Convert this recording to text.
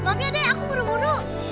maaf ya aku buru buru